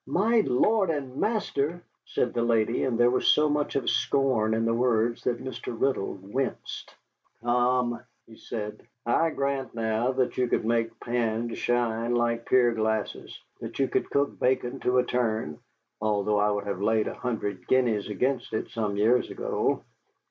"My lord and master!" said the lady, and there was so much of scorn in the words that Mr. Riddle winced. "Come," he said, "I grant now that you could make pans shine like pier glasses, that you could cook bacon to a turn although I would have laid an hundred guineas against it some years ago.